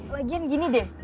lagian gini deh